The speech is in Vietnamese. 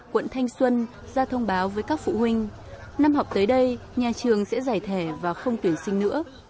quận thanh xuân ra thông báo với các phụ huynh năm học tới đây nhà trường sẽ giải thể và không tuyển sinh nữa